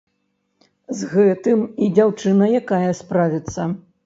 З гэтым і дзяўчына якая справіцца.